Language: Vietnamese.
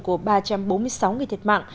của ba trăm bốn mươi sáu người thiệt mạng